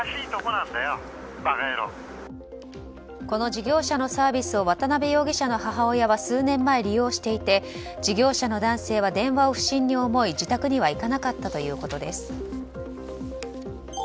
この事業者のサービスを渡辺容疑者の母親は数年前、利用していて事業者の男性は電話を不審に思い自宅には行かなかったということです。